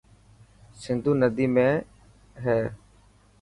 سنڌو نڌي ما هي.